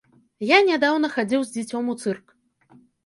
Я нядаўна хадзіў з дзіцём у цырк.